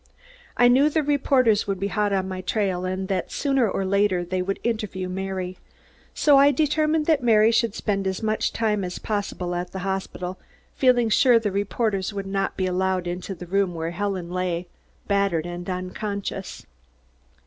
I knew the reporters would be hot on my trail and that sooner or later they would interview Mary. So I determined that Mary should spend as much time as possible at the hospital, feeling sure the reporters would not be allowed in the room where Helen lay, battered and unconscious.